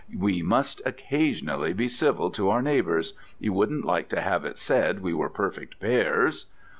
We must occasionally be civil to our neighbours: you wouldn't like to have it said we were perfect bears.